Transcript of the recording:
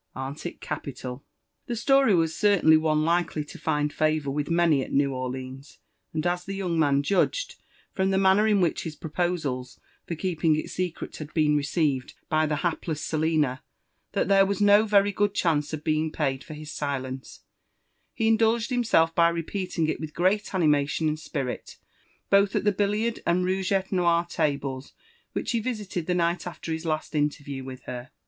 Ara't it capital V The story was certainly one likely to find favour with many at New Orleans { and ae tlie young nan judged, firom the manner in which his proposals for keeping it secret had been received by the haplesa Selina, that there was no very good chance of his being paid for hm sBence, he indulged himself by repeating it with great animation and spirit, both at the bHiiard and rouge et noir tables, which he visited the Mght after his last interview with her.